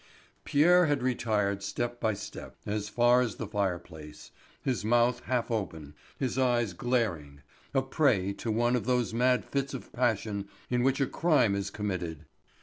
Pierre had retired step by step as far as the fire place, his mouth half open, his eyes glaring, a prey to one of those mad fits of passion in which a crime is committed.